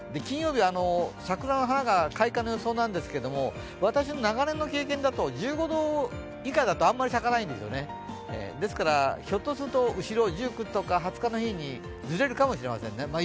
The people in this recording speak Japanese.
金曜日は桜の花が開花の予想なんですけど私の長年の経験だと１５度以下だとあんまり咲かないんですよね、ですからひょっとすると後ろ、１９日とか２０日の日にずれるかもしれませんね